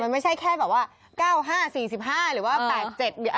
มันไม่ใช่แค่แบบว่า๙๕๔๕หรือว่า๘๗